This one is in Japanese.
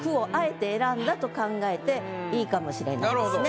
考えていいかもしれないですね。